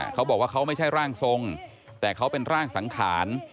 เขาบอกว่าเขาไม่ใช่ร่างทรงแต่เขาเป็นร่างสังขาร